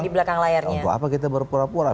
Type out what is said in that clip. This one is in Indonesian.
di belakang layar untuk apa kita berpura pura